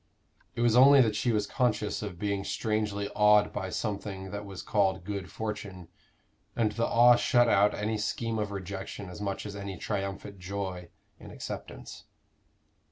It was only that she was conscious of being strangely awed by something that was called good fortune; and the awe shut out any scheme of rejection as much as any triumphant joy in acceptance.